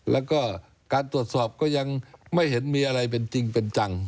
แล้วก็การตรวจสอบก็ยังไม่เห็นมีอะไรเป็นจริงเป็นจัง